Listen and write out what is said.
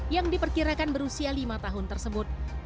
yang diperkirakan berusia lima tahun tersebut